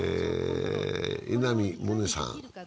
稲見萌寧さん。